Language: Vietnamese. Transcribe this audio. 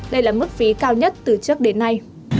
đây là mức phí cao nhất từ trước đến nay